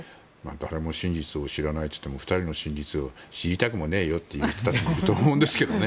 誰も真実を知らないといっても２人の真実を知りたくもねえよってことだと思うんですけどね。